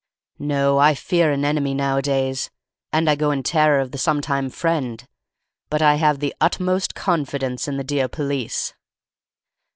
No, I fear an enemy nowadays, and I go in terror of the sometime friend, but I have the utmost confidence in the dear police."